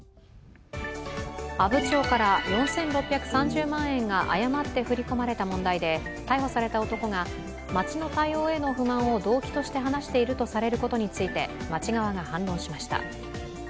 阿武町から４６３０万円が誤って振り込まれた問題で逮捕された男が、町の対応への不満を動機として話しているとされることについて町側が反論しました。